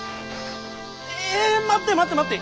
ええ待って待って待って！